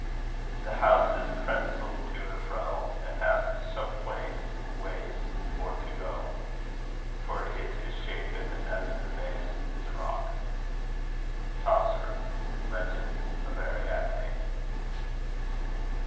the house is crencled to and fro, And hath so queint waies for to go, For it is shapen as the mase is wrought. CHAUCER Legend of Ariadne.